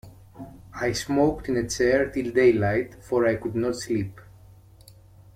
I smoked in a chair till daylight, for I could not sleep.